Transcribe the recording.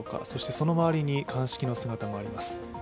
その周りに鑑識の姿もあります。